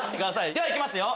ではいきますよ！